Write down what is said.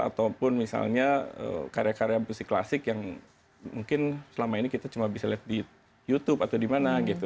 ataupun misalnya karya karya musik klasik yang mungkin selama ini kita cuma bisa lihat di youtube atau di mana gitu